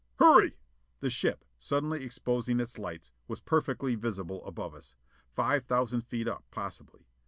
"Hurry!" The ship, suddenly exposing its lights, was perfectly visible above us. Five thousand feet up, possibly.